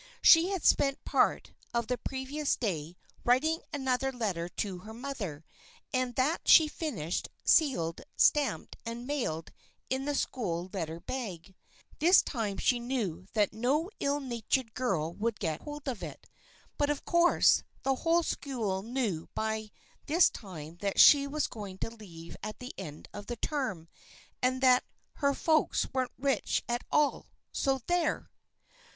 She had spent part of the previous day writing another letter to her mother, and that she finished, sealed, stamped and mailed in the school letter bag. This time she knew that no ill natured girl would get hold of it. But, of course, the whole school knew by this time that she was going to leave at the end of the term, and that "her folks weren't rich at all, so there!"